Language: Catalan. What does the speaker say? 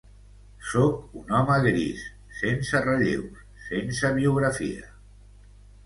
Sóc un home gris, sense relleus, sense biografia.